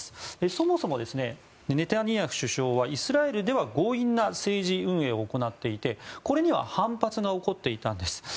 そもそもネタニヤフ首相はイスラエルでは強引な政治運営を行っていてこれには反発が起こっていたんです。